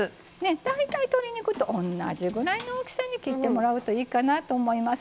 大体鶏肉とおんなじぐらいの大きさに切ってもらうといいかなと思います。